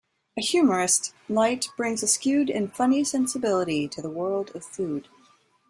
A humorist, Leite brings a skewed and funny sensibility to the world of food.